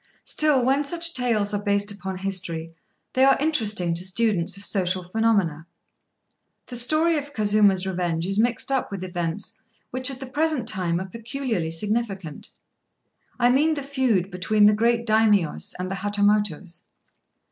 Still, when such tales are based upon history, they are interesting to students of social phenomena. The story of Kazuma's revenge is mixed up with events which at the present time are peculiarly significant: I mean the feud between the great Daimios and the Hatamotos.